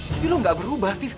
tapi lo gak berubah